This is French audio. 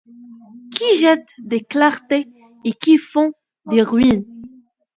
Qui jettent des clartés et qui font des ruines.